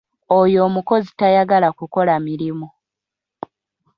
Oyo omukozi tayagala kukola mirimu.